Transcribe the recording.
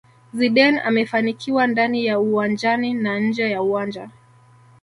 Zidane amefanikiwa ndani ya uwanjani na nje ya uwanja